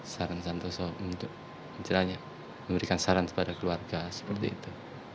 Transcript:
saran santoso untuk memberikan saran kepada keluarga seperti itu